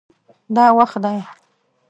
دا وخت دی